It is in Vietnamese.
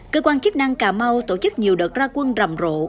cơ quan chức năng cà mau tổ chức nhiều đợt ra quân rầm rộ